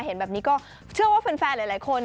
เห็นแบบนี้ก็เชื่อว่าแฟนหลายคน